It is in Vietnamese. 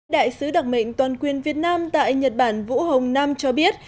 đại sứ đặc mệnh toàn quyền việt nam tại nhật bản vũ hồng nam cho biết